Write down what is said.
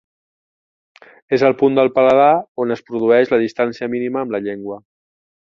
És el punt del paladar on es produeix la distància mínima amb la llengua.